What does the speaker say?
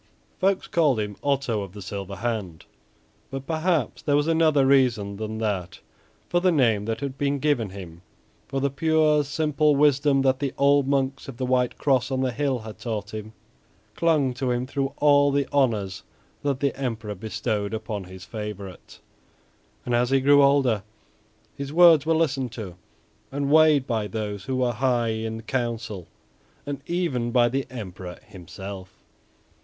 Folks called him "Otto of the Silver Hand," but perhaps there was another reason than that for the name that had been given him, for the pure, simple wisdom that the old monks of the White Cross on the hill had taught him, clung to him through all the honors that the Emperor bestowed upon his favorite, and as he grew older his words were listened to and weighed by those who were high in Council, and even by the Emperor himself.